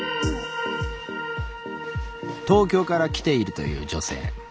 東京から来ているという女性。